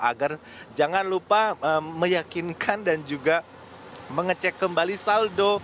agar jangan lupa meyakinkan dan juga mengecek kembali saldo